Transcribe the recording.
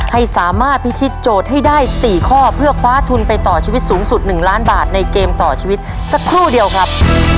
ให้สามารถพิธีโจทย์ให้ได้๔ข้อเพื่อคว้าทุนไปต่อชีวิตสูงสุด๑ล้านบาทในเกมต่อชีวิตสักครู่เดียวครับ